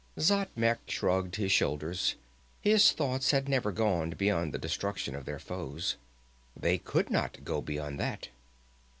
Xatmec shrugged his shoulders. His thoughts had never gone beyond the destruction of their foes. They could not go beyond that.